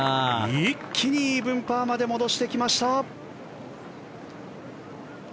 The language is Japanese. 一気にイーブンパーまで戻してきました！